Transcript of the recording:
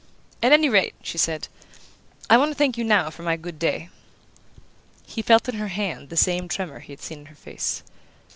"At any rate," she said, "I want to thank you now for my good day." He felt in her hand the same tremor he had seen in her face.